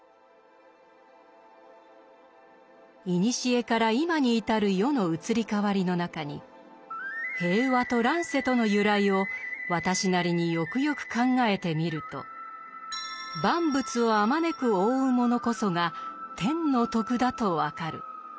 「古から今にいたる世の移り変わりの中に平和と乱世との由来を私なりによくよく考えてみると万物をあまねく覆うものこそが天の徳だと分る。